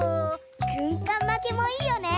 ぐんかんまきもいいよね。